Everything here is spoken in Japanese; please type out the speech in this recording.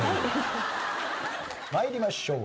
参りましょう。